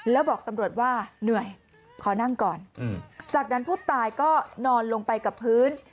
แล้วบอกตำรวจว่าเหนื่อยขอนั่งก่อนจากนั้นผู้ตายก็นอนลงไปกับพื้น